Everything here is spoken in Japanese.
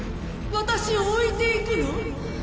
私を置いていくの？」